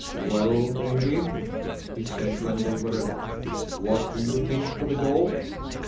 "Well, Davie," he said, when they were alone, "what do you think of it all?"